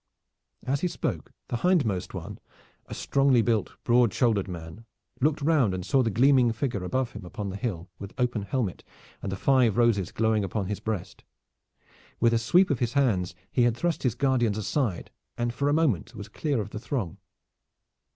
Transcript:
As he spoke, the hindmost one, a strongly built, broad shouldered man, looked round and saw the gleaming figure above him upon the hill, with open helmet, and the five roses glowing upon his breast. With a sweep of his hands he had thrust his guardians aside and for a moment was clear of the throng.